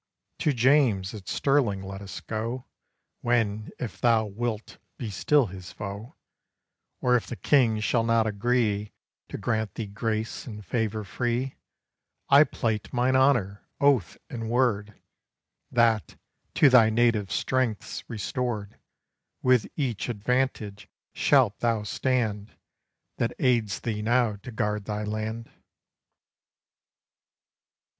To James, at Stirling, let us go, When, if thou wilt be still his foe, Or if the King shall not agree To grant thee grace and favour free, I plight mine honour, oath, and word, That, to thy native strengths restored, With each advantage shalt thou stand, That aids thee now to guard thy land."